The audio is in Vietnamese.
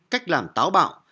cách làm táo bạo